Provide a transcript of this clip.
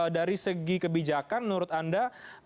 dari segi kebijakan menurut anda